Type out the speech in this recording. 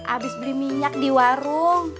abis beli minyak di warung